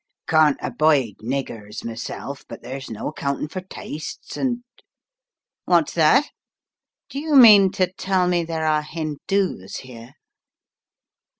"Can't abide niggers, myself, but there's no accounting for tastes, and " "What's that? Do you mean to tell me there are Hindoos here?"